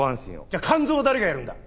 じゃあ肝臓は誰がやるんだ？